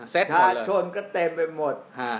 ประชาชนก็เต็มไปหมด